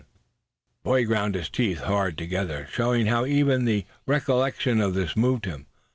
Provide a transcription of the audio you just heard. The boy ground his teeth hard together, showing how even the recollection of this moved him.